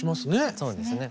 そうですね。